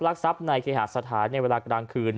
รักทรัพย์ในเคหาสถานในเวลากลางคืน